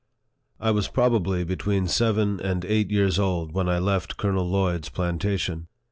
I was probably between seven and eight years old when I left Colonel Lloyd's plantation.